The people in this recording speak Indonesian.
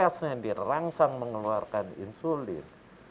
kekasnya dirangsang mengeluarkan insulin